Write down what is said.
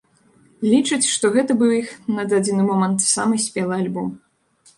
Лічаць, што гэта быў іх, на дадзены момант, самы спелы альбом.